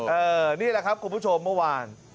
นี่แหละครับคุณผู้ชมเมื่อวาน